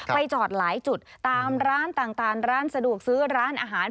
ไปจอดหลายจุดตามร้านต่างร้านสะดวกซื้อร้านอาหาร